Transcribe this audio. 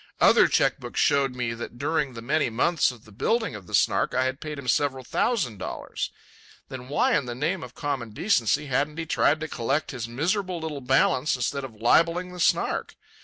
Other cheque books showed me that during the many months of the building of the Snark I had paid him several thousand dollars. Then why in the name of common decency hadn't he tried to collect his miserable little balance instead of libelling the Snark?